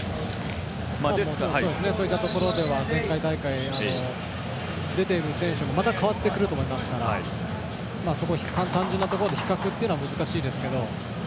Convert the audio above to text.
そういったところでは前回大会出ている選手もまた変わってくると思いますから単純なところで比較は難しいと思いますけど。